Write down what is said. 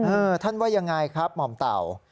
ท่านว่ายังไงครับหม่อมเต่า